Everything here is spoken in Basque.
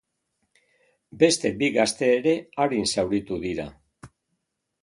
Beste bi gazte ere arin zauritu dira.